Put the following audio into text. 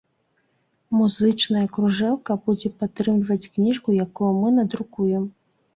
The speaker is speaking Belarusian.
Музычная кружэлка будзе падтрымліваць кніжку, якую мы надрукуем.